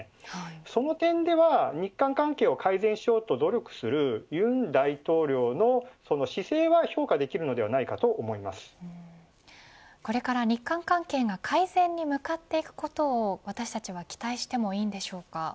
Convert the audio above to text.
その点では、日韓関係を改善しようと努力する尹大統領のその姿勢は評価できるのではこれから日韓関係が改善に向かっていくことを私たちは期待してもいいのでしょうか。